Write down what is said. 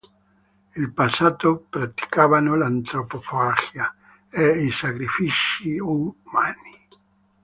In passato praticavano l'antropofagia e i sacrifici umani.